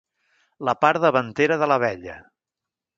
La part davantera de l'abella.